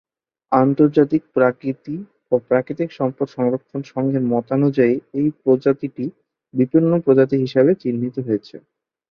আন্তর্জাতিক প্রকৃতি ও প্রাকৃতিক সম্পদ সংরক্ষণ সংঘের মতানুযায়ী এই প্রজাতিটি বিপন্ন প্রজাতি হিসেবে চিহ্নিত হয়েছে।